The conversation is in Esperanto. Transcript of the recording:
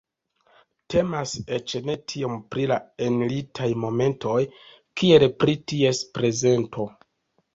Temas eĉ ne tiom pri la enlitaj momentoj, kiel pri ties prezento.